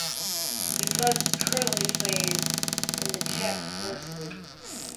The club currently plays in the Czech First League.